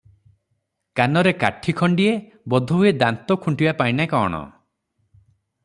କାନରେ କାଠି ଖଣ୍ଡିଏ- ବୋଧହୁଏ ଦାନ୍ତ ଖୁଣ୍ଟିବା ପାଇଁ ନାଁ କଣ ।